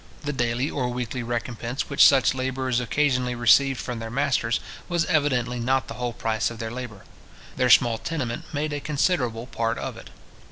The daily or weekly recompence which such labourers occasionally received from their masters, was evidently not the whole price of their labour. Their small tenement made a considerable part of it.